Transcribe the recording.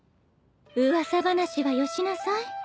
噂話はよしなさい。